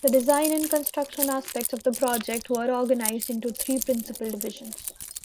The design and construction aspects of the project were organized into three principal divisions.